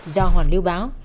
do hoàn lưu báo